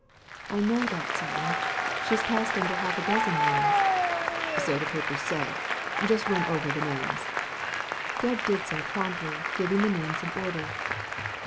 '' I know that, Simon. She has passed under half a dozen names.'' " So the papers say. Just run over the names." Gebb did so promptly, giving the names in order.